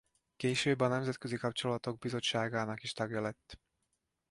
Később a Nemzetközi Kapcsolatok Bizottságának is tagja lett.